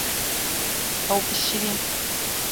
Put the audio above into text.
Ew bişirîn.